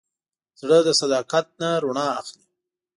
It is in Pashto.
زړه د صداقت نه رڼا اخلي.